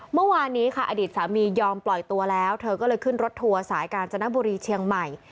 เมื่อวานนี้ค่ะอดีตสามียอมปล่อยตัวแล้วเธอก็เลยขึ้นรถทัวร์สายกาญจนบุรีเชียงใหม่